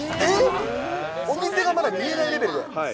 お店がまだ見えないレベはい。